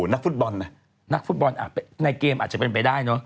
นักฟุตบอลในเกมอาจจะเป็นไปได้